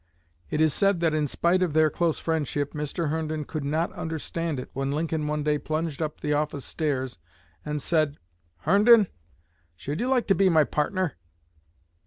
It is said that in spite of their close friendship Mr. Herndon could not understand it when Lincoln one day plunged up the office stairs and said, "Herndon, should you like to be my partner?"